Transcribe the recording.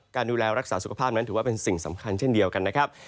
การดูแลรักษาสุขภาพนั้นถือว่าเป็นสิ่งสำคัญเช่นเดียวกันนะครับ